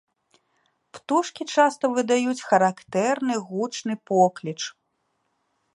Птушкі часта выдаюць характэрны гучны покліч.